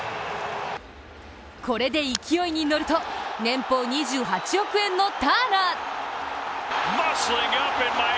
これで勢いに乗ると年俸２８億円のターナー。